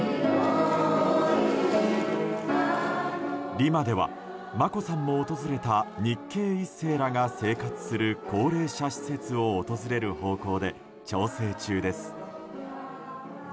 リマでは眞子さんも訪れた日系１世らが生活する高齢者施設を訪れる方向で調整中です。